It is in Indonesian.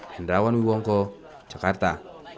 hendrawan wiwongko jakarta